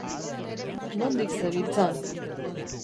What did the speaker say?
Nondik zebiltzan?